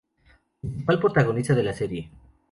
Principal protagonista de la serie.